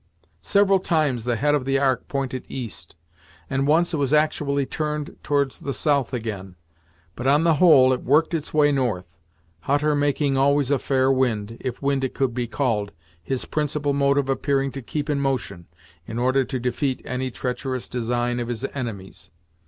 Several times the head of the Ark pointed east, and once it was actually turned towards the south, again; but, on the whole, it worked its way north; Hutter making always a fair wind, if wind it could be called, his principal motive appearing to keep in motion, in order to defeat any treacherous design of his enemies.